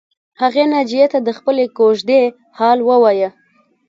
هغې ناجیې ته د خپلې کوژدې حال ووایه